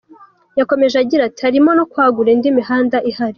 Yakomeje agira ati “Harimo no kwagura indi mihanda ihari.